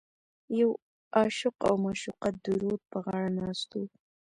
یو عاشق او معشوقه د رود په غاړه ناست و.